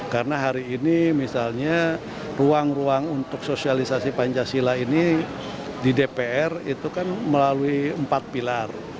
karena hari ini misalnya ruang ruang untuk sosialisasi pancasila ini di dpr itu kan melalui empat pilar